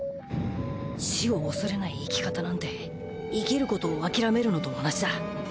死を恐れない生き方なんて生きることを諦めるのと同じだ。